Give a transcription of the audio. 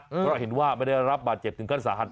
เพราะเห็นว่าไม่ได้รับบาดเจ็บถึงขั้นสาหัส